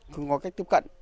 không có cách tiếp cận